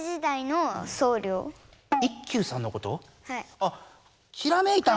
あっ「ひらめいた！」の？